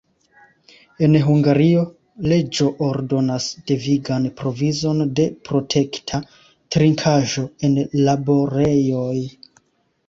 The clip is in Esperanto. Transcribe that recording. En Hungario, leĝo ordonas devigan provizon de protekta trinkaĵo en laborejoj.